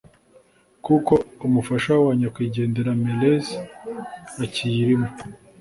kuko umufasha wa nyakwigendera Meles akiyirimo